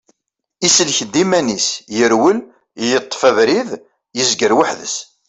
Isellek-d iman-is, yerwel, yeṭṭef abrid, yezger weḥd-s.